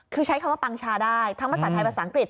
คือใช้คำว่าปังชาได้ทั้งภาษาไทยภาษาอังกฤษ